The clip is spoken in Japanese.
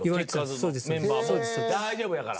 「大丈夫やから」。